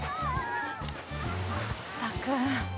まったく。